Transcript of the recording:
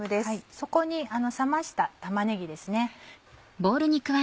そこに冷ました玉ねぎですね。